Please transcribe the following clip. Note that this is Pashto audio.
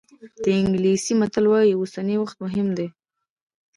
انګلیسي متل وایي اوسنی وخت مهم دی.